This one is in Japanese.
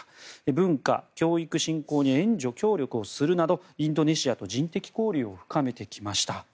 文化・教育振興に日本が援助協力をするなどインドネシアと人的交流を深めてきました。